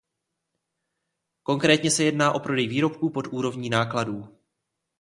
Konkrétně se jedná o prodej výrobků pod úrovní nákladů.